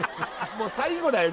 もう最後だよ